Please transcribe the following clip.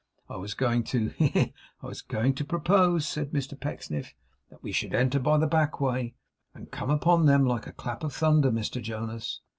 I was going to he! he! he! I was going to propose,' said Mr Pecksniff, 'that we should enter by the back way, and come upon them like a clap of thunder, Mr Jonas.